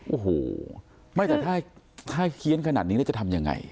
โอ้โหไม่แต่ถ้าเคี้ยนขนาดนี้จะทำยังไง